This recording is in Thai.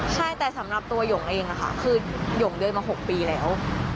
ใช่แต่สำหรับตัวยงค์เองนะคะคือย่งเดินมาหกปีแล้ว